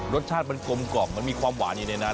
รสชาติมันกลมกล่อมมันมีความหวานอยู่ในนั้น